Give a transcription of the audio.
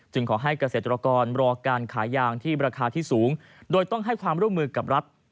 ขอให้เกษตรกรรอการขายยางที่ราคาที่สูงโดยต้องให้ความร่วมมือกับรัฐ